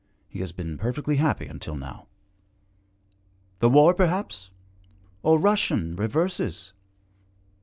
'He has been perfectly happy until now.' 'The war perhaps? or Russian reverses?'